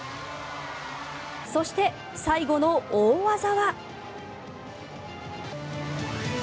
そして、最後の大技は。